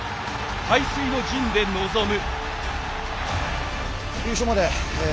背水の陣で臨む。